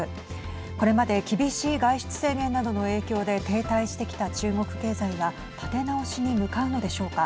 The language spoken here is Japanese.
これまで厳しい外出制限などの影響で停滞してきた中国経済は立て直しに向かうのでしょうか。